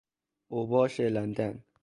اوباش لندن